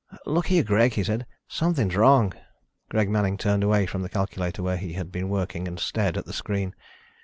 "Look here, Greg," he said. "Something's wrong." Greg Manning turned away from the calculator where he had been working and stared at the screen.